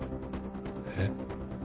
えっ？